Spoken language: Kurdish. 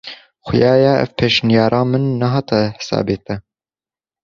Xuya ye ev pêşniyara min nehate hesabê te.